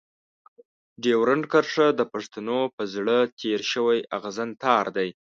ډيورنډ کرښه د پښتنو په زړه تېر شوی اغزن تار دی.